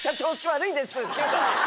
って言うから。